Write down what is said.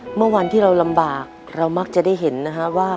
เมื่อวันที่เราลำบากเรามักจะได้เห็นนะฮะว่า